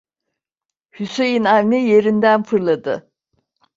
Hüseyin Avni yerinden fırladı.